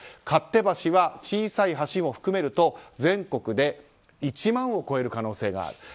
勝手橋は小さい橋を含めると全国で１万を超える可能性がある。